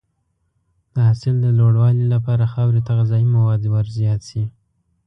د حاصل د لوړوالي لپاره خاورې ته غذایي مواد ورزیات شي.